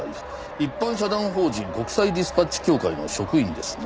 一般社団法人国際ディスパッチ協会の職員ですな。